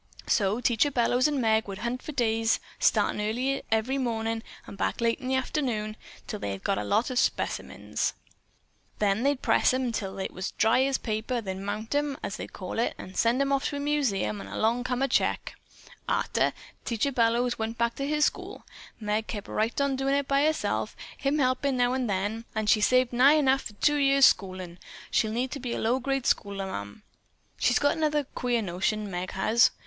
So Teacher Bellows and Meg would hunt for days, startin' early every mornin' and late back in the arternoon, till they had a set of specimens. They'd press 'em till they was dry as paper, then mount 'em, as they call it, an' send 'em off to a museum, and along come a check. Arter Teacher Bellows went back to his school, Meg kept right on doin' it by herself, him helpin' now an' then, an' she's saved nigh enough for the two years' schoolin' she'll need to be a low grade schoolmarm. She's got another queer notion, Meg has.